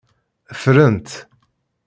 Ffrent.